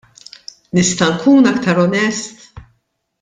Nista' nkun aktar onest?